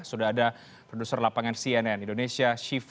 sudah ada produser lapangan cnn indonesia syifa